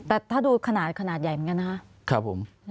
แต่ถ้าดูขนาดขนาดใหญ่เหมือนกันนะครับผม